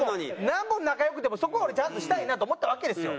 なんぼ仲良くてもそこは俺ちゃんとしたいなと思ったわけですよ。